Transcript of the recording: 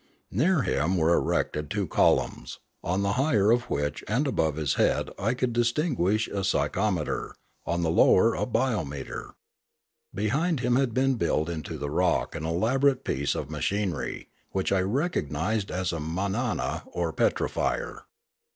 Near him were erected two columns, on the higher of which and above his head I could distinguish a psy chometer, on the lower a biometer. Behiud him had Death 377 been built into the rock an elaborate piece of machin ery, which I recognised as a manana or petrifier.